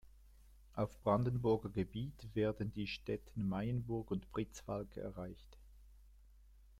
Auf Brandenburger Gebiet werden die Städte Meyenburg und Pritzwalk erreicht.